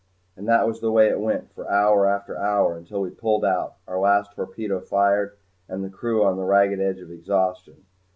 And that was the way it went for hour after hour until we pulled out, our last torpedo fired and the crew on the ragged edge of exhaustion.